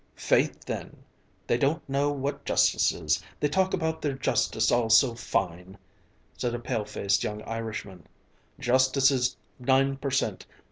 "Faith then! they don't know what justice is. They talk about their justice all so fine," said a pale faced young Irishman "justice is nine per cent.